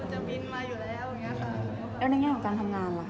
เขาอยากเห็นผลงานต่อไปของเรามากขึ้นแล้ว